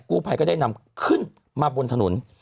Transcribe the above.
กู้ภัยก็ได้นำขึ้นมาบนถนน